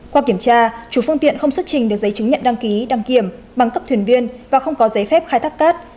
qua kiểm tra chủ phương tiện không xuất trình được giấy chứng nhận đăng ký đăng kiểm bằng cấp thuyền viên và không có giấy phép khai thác cát